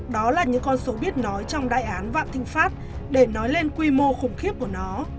đó là những con số biết nói trong đại án vạn thịnh pháp để nói lên quy mô khủng khiếp của nó